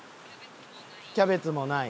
キャベツもない。